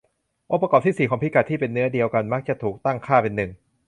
องค์ประกอบที่สี่ของพิกัดที่เป็นเนื้อเดียวกันมักจะถูกตั้งค่าเป็นหนึ่ง